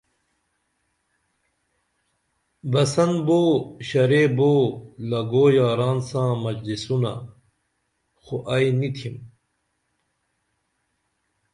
بسن بو شرے بو لگو یاران ساں مجلسونہ خو ائی نی تِھم